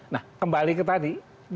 nah kembali ke tadi